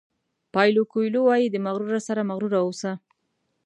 پایلو کویلو وایي د مغرورو سره مغرور اوسه.